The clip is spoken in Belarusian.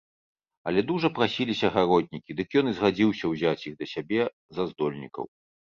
Але дужа прасіліся гаротнікі, дык ён і згадзіўся ўзяць іх да сябе за здольнікаў.